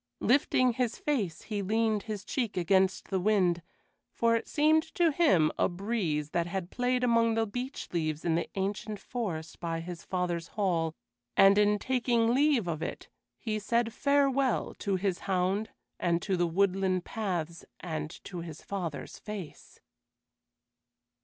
Lifting his face, he leaned his cheek against the wind, for it seemed to him a breeze that had played among the beech leaves in the ancient forest by his father's hall, and in taking leave of it he said farewell to his hound and to the woodland paths and to his father's face.